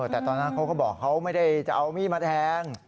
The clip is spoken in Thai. แต่ตอนนั้นเขาก็บอกเขาไม่ได้จะเอามีดมาแทง